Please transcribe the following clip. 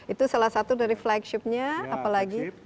itu salah satu dari flagshipnya apa lagi